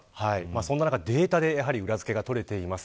そんな中データで裏付けが取れています。